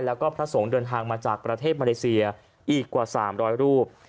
แล้วก็พระสงฆ์เดินทางมาจากประเทศมาเลเซียอีกกว่า๓๐๐รูป